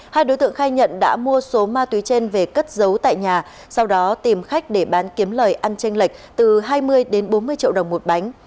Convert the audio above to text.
hai đối tượng khai nhận đã mua số ma túy trên về cất giấu tại nhà sau đó tìm khách để bán kiếm lời ăn tranh lệch từ hai mươi đến bốn mươi triệu đồng một bánh